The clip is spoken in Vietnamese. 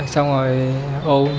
xong rồi ôm